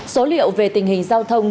số liệu về tình hình giao thông